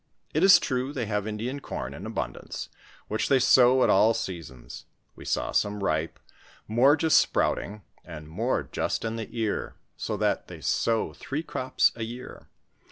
It is true, they have Indian com in abundance, which they sow at all seasons ; we saw some ripe ; more just sprouting, and more just in the ear, so that tliey sow three crops a year.